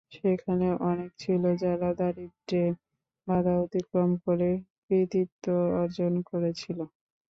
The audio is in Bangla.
সেখানে অনেকে ছিল, যারা দারিদ্র্যের বাধা অতিক্রম করে কৃতিত্ব অর্জন করেছিল।